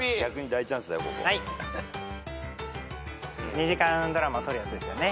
２時間ドラマ撮るやつですよね。